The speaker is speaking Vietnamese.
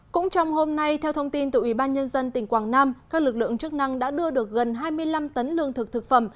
cũng trong hôm nay theo thông tin từ ubnd tỉnh quảng nam các lực lượng chức năng đã đưa được gần hai mươi năm tấn lương thực thực phẩm